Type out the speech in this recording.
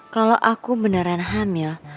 kalau aku beneran hamil